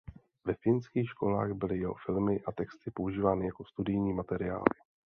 Ve finských školách byly jeho filmy a texty používány jako studijní materiály.